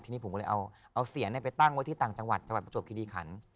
ทีนี้ผมก็เลยเอาเสียนไปตั้งไว้ที่ต่างจังหวัดจังหวัดประจวบคิริขัน